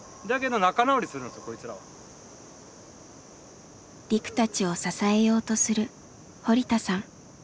リクたちを支えようとする堀田さん。